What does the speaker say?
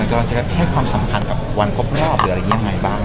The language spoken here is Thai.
มิวจะได้ให้ความสำคัญวันครบรอบอย่างไหนบ้าง